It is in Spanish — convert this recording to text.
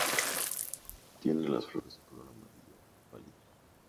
Tiene las flores de color amarillo pálido.